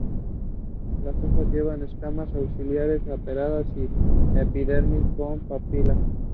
Las hojas llevan escamas axilares apareadas y epidermis con papilas.